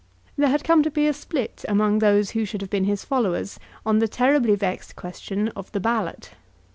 There had come to be a split among those who should have been his followers on the terribly vexed question of the Ballot.